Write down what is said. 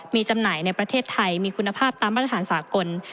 มีจำหน่ายในประเทศไทยมีคุณภาพตามมาตรฐานสากล